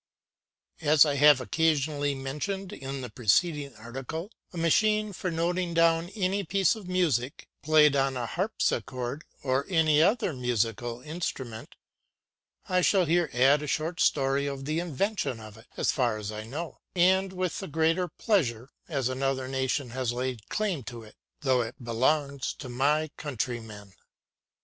As I have occasionally mentioned in the preceding article, a machine for noting down any piece of music played on a harpsichord or other musical instrument, I shall here add a short history of the invention of it, as far as I know; and with the greater pleasure, as another nation has laid claim to it, though it belongs to my countrymen.